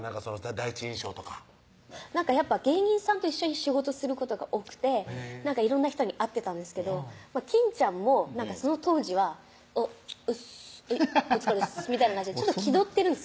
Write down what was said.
第一印象とかやっぱ芸人さんと一緒に仕事することが多くて色んな人に会ってたんですけど金ちゃんもその当時は「うっすお疲れっす」みたいな感じでちょっと気取ってるんです